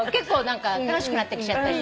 楽しくなってきちゃったりして。